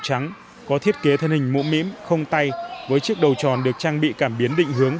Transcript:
trắng có thiết kế thân hình mũ mỉm không tay với chiếc đầu tròn được trang bị cảm biến định hướng